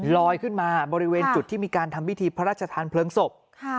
ลอยขึ้นมาบริเวณจุดที่มีการทำพิธีพระราชทานเพลิงศพ